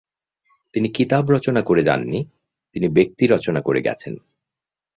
তিনি কিতাব রচনা করে যাননি; তিনি ব্যক্তি রচনা করে গেছেন।